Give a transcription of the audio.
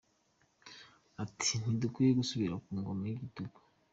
Ati “Ntidukwiye gusubira ku ngoma y’igitugu.